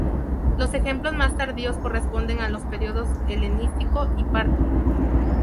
Los ejemplos más tardíos corresponden a los períodos helenístico y parto.